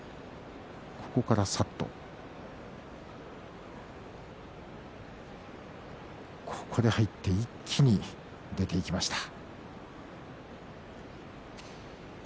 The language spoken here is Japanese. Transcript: そこから、さっと入って一気に出ていきました。